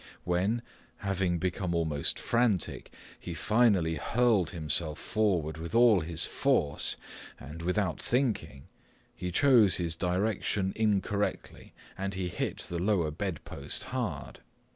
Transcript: When, having become almost frantic, he finally hurled himself forward with all his force and without thinking, he chose his direction incorrectly, and he hit the lower bedpost hard.